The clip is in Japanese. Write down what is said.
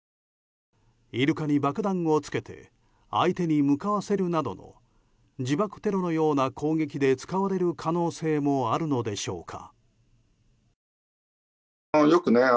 イルカに爆弾をつけて相手に向かわせるなどの自爆テロのような攻撃で使われる可能性もあるのでしょうか。